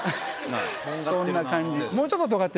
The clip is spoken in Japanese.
そんな感じ。